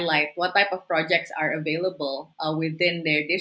menggambarkan jenis proyek yang ada di dalam distrik mereka